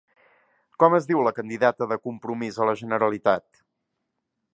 Com es diu la candidata de Compromís a la Generalitat?